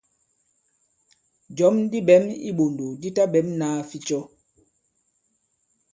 Jɔ̌m di ɓɛ̌m i iɓòndò di taɓɛ̌m nāa ficɔ.